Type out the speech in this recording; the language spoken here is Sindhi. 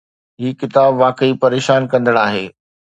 هي ڪتاب واقعي پريشان ڪندڙ آهي.